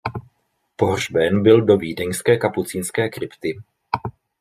Pohřben byl do vídeňské kapucínské krypty.